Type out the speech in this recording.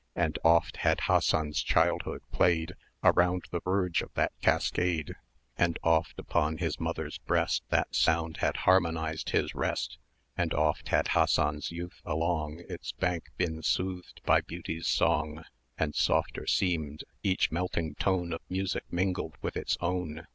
And oft had Hassan's Childhood played Around the verge of that cascade; And oft upon his mother's breast 310 That sound had harmonized his rest; And oft had Hassan's Youth along Its bank been soothed by Beauty's song; And softer seemed each melting tone Of Music mingled with its own.